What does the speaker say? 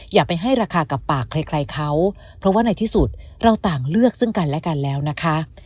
อย่าไปให้ราคากับปากใครเขาเพราะว่าในที่สุดเราต่างเลือกซึ่งกันและกันแล้วนะคะ